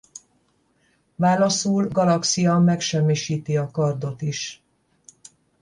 Válaszul Galaxia megsemmisíti a kardot is.